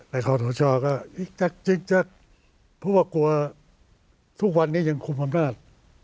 แต่ท่อโถชอก็จิ๊กจิ๊กจิ๊กเพราะว่ากลัวทุกวันนี้ยังคุมภาพนาศ